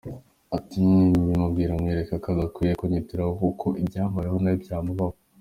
Ati “Mbimubwira mwereka ko adakwiye kunyirataho kuko ibyambayeho nawe byamubaho.